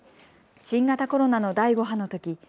新型コロナの第５波のとき